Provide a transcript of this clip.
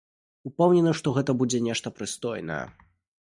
Упэўнены, што гэта будзе нешта прыстойнае.